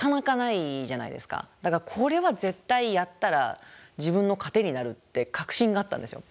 だからこれは絶対やったら自分の糧になるって確信があったんですよ。